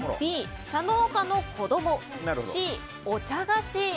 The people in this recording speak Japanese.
Ｂ、茶農家の子供Ｃ、お茶菓子。